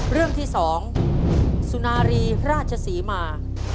เรื่องที่๒สุนารีราชศรีมา